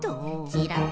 ちらっ。